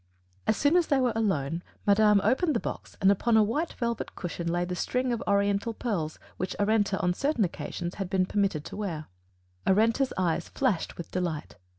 As soon as they were alone madame opened the box and upon a white velvet cushion lay the string of oriental pearls which Arenta on certain occasions had been permitted to wear. Arenta's eyes flashed with delight.